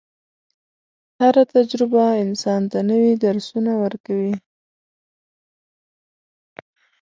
هره تجربه انسان ته نوي درسونه ورکوي.